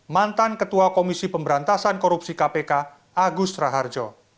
mantan ketua komisi pemberantasan korupsi kpk agus raharjo